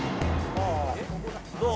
どう？